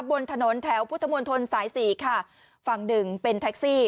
บนถนนแถวพุทธมนตรสายสี่ค่ะฝั่งหนึ่งเป็นแท็กซี่